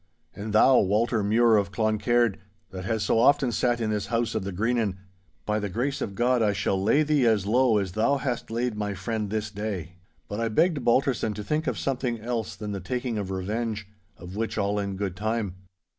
And thou, Walter Mure of Cloncaird, that has so often sat in this house of the Greenan, by the grace of God I shall lay thee as low as thou hast laid my friend this day.' But I begged Balterson to think of something else than the taking of revenge—of which all in good time.